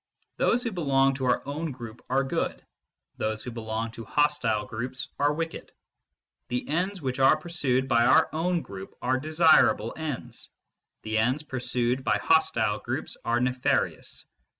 Those who belong to our own group are good ; those who belong to hostile groups are wicked. The ends which are pursued by our own group are desir able ends, the ends pursued by hostile groups are nefari ous.